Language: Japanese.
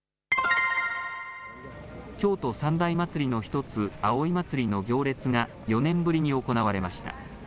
京都三大祭りの一つ、葵祭の行列が、４年ぶりに行われました。